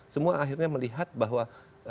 semua akhirnya melihat bahwa